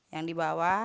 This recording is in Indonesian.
yang di bawah